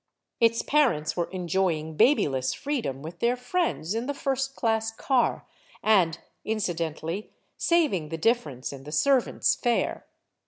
Its parents were enjoying babyless freedom with their friends in the first class car, and incidentally saving the difference in the servant's fare.